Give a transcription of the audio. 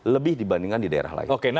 lebih dibandingkan di daerah lain